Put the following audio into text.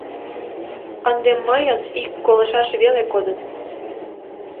Ынде мыйын ик колышаш веле кодын...